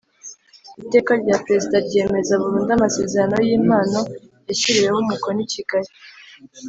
Iteka rya Perezida ryemeza burundu Amasezerano y impano yashyiriweho umukono i Kigali